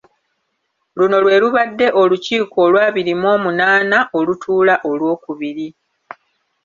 Luno lwe lubadde olukiiko olw’abiri mu omunaana olutuula olwokubiri.